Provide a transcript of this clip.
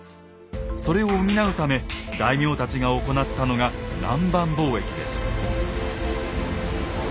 それを補うため大名たちが行ったのが南蛮貿易です。